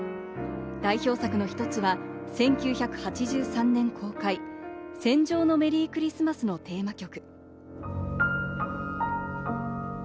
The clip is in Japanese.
代表作の一つは１９８３年公開、『戦場のメリークリスマス』のテーマ曲。